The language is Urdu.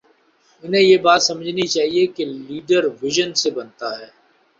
انہیں یہ بات سمجھنی چاہیے کہ لیڈر وژن سے بنتا ہے۔